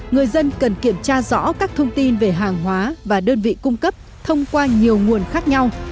người dân cần kiểm tra rõ các thông tin về hàng hóa và đơn vị cung cấp thông qua nhiều nguồn khác nhau